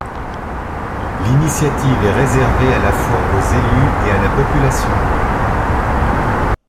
L'initiative est réservée à la fois aux élus et à la population.